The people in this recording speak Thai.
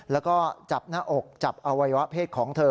แล้วก็จับหน้าอกจับอวัยวะเพศของเธอ